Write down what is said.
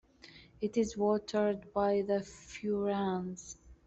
It is watered by the Furans.